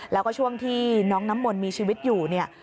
แล้วก็ช่วงที่น้องน้ำมนต์มีชีวิตอยู่เนี่ย